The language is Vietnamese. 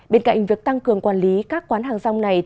bên cạnh việc tăng cường quản lý các quán hàng rong này